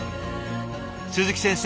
鈴木先生